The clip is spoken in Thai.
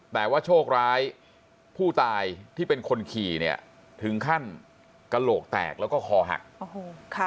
แต่ว่าโชคร้ายผู้ตายที่เป็นคนขี่เนี่ยถึงขั้นกระโหลกแตกแล้วก็คอหักโอ้โหค่ะ